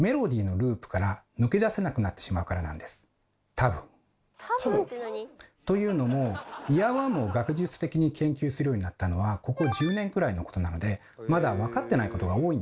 たぶん？というのもイヤーワームを学術的に研究するようになったのはここ１０年くらいのことなのでまだわかってないことが多いんですよ。